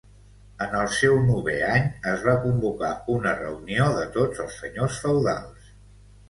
En el seu novè any es va convocar una reunió de tots els senyors feudals.